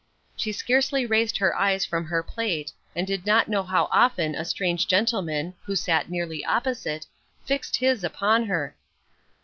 She scarcely raised her eyes from her plate, and did not know how often a strange gentleman, who sat nearly opposite, fixed his upon her.